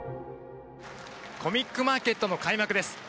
コミックマーケットの開幕です。